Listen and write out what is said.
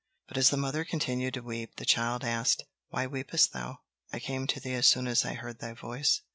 But as the mother continued to weep, the child asked: "Why weepest thou? I came to thee as soon as I heard thy voice."